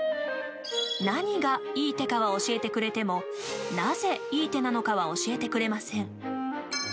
何が、いい手かは教えてくれてもなぜ、いい手なのかは教えてくれません。